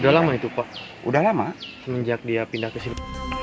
udah lama itu pak udah lama semenjak dia pindah ke sini